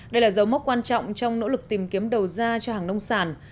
đây là dấu mốc quan trọng trong nỗ lực tìm kiếm đầu ra cho hàng nông sản